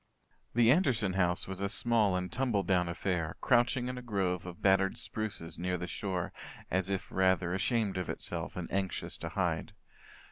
The Anderson house was a small and tumbledown affair, crouching in a grove of battered spruces near the shore as if rather ashamed of itself and anxious to hide.